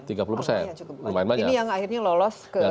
ini yang akhirnya lolos ke tpa gitu